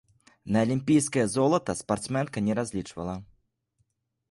На алімпійскае золата спартсменка не разлічвала.